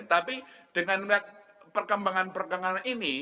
tapi dengan perkembangan perkembangan ini